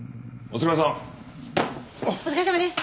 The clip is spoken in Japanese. お疲れさまです。